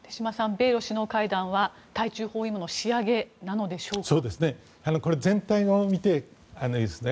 米ロ首脳会談は対中包囲網の仕上げなのでしょうか。